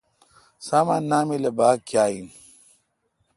سامان نامل اؘ باگ کیا این۔